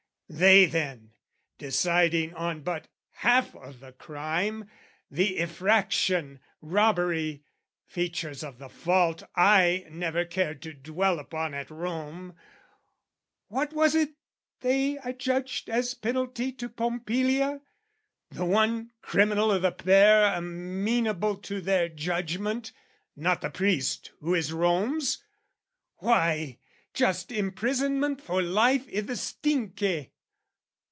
They then, deciding on but half o' the crime, The effraction, robbery, features of the fault I never cared to dwell upon at Rome, What was it they adjudged as penalty To Pompilia, the one criminal o' the pair Amenable to their judgment, not the priest Who is Rome's? Why, just imprisonment for life I' the Stinche.